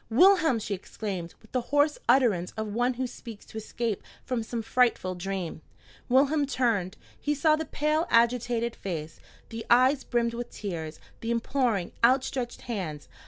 "Wilhelm!" she exclaimed, with the hoarse utterance of one who seeks to escape from some frightful dream. Wilhelm turned. He saw the pale, agitated face, the eyes brimmed with tears, the imploring, out stretched hands.